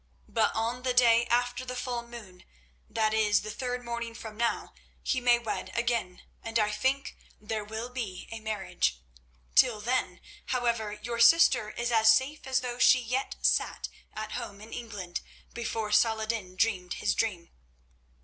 But on the day after the full moon—that is, the third morning from now—he may wed again, and I think there will be a marriage. Till then, however, your sister is as safe as though she yet sat at home in England before Salah ed din dreamed his dream."